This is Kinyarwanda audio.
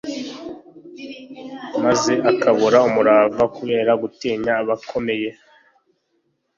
maze ukabura umurava kubera gutinya abakomeye